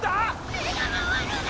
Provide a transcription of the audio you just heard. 目が回るだ！